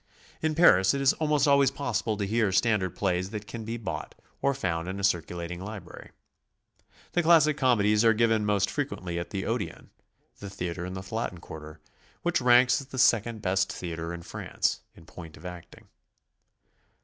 In Paris it is almost always possible to hear standard plays that can be bought, or found in a circulating library. The classic comedies are given m'ost frequently at the Odeon, the theatre in the Latin Quarter, Which ranks as the second best theatre in France, in point ol acting.